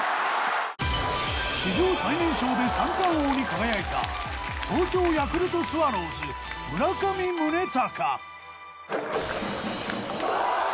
史上最年少で三冠王に輝いた東京ヤクルトスワローズ村上宗隆。